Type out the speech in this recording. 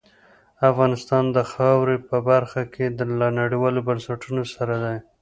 افغانستان د خاورې په برخه کې له نړیوالو بنسټونو سره دی.